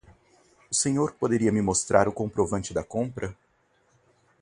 O senhor poderia me mostrar o comprovante da compra?